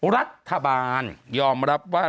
รัฐบาลยอมรับว่า